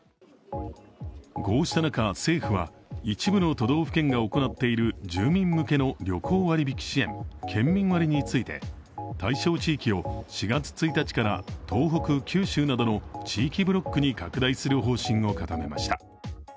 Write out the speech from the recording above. こうした中、政府は一部の都道府県が行っている住民向けの旅行割引支援、県民割について対象地域を４月１日から東北、九州などの地域ブロックに拡大する方針を固めました。